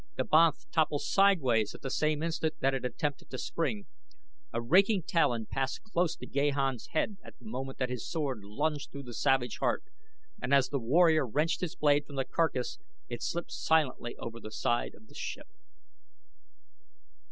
The banth toppled sideways at the same instant that it attempted to spring; a raking talon passed close to Gahan's head at the moment that his sword lunged through the savage heart, and as the warrior wrenched his blade from the carcass it slipped silently over the side of the ship.